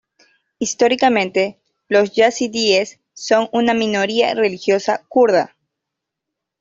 Históricamente, los yazidíes son una minoría religiosa kurda.